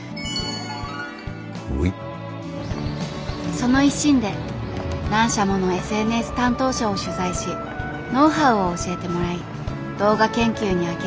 その一心で何社ものＳＮＳ担当者を取材しノウハウを教えてもらい動画研究に明け暮れた。